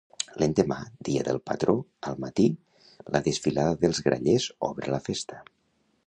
L'endemà, dia del patró, al matí, la desfilada dels grallers obre la festa.